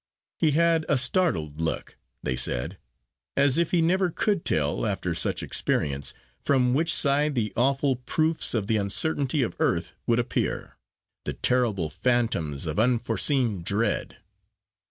He had a startled look, they said, as if he never could tell, after such experience, from which side the awful proofs of the uncertainty of earth would appear, the terrible phantoms of unforeseen dread.